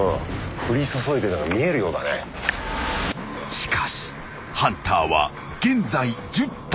［しかしハンターは現在１０体］